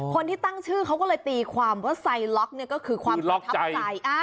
คนที่ตั้งชื่อเขาก็เลยตีความว่าไซล็อกเนี่ยก็คือความประทับใจ